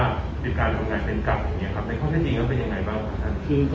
ติดการทำงานเป็นกลับ